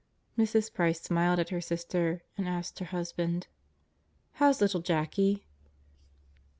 Mrs. Price smiled at her sister and asked her husband: "How's little Jackie?"